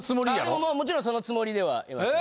もうもちろんそのつもりではいます。